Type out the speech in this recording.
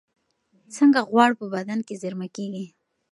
څنګه غوړ په بدن کې زېرمه کېږي؟